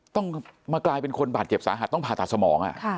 ต้องมากลายเป็นคนบาดเจ็บสาหัสต้องผ่าตัดสมอง